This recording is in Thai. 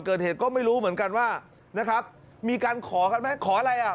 เกิดเหตุก็ไม่รู้เหมือนกันว่านะครับมีการขอกันไหมขออะไรอ่ะ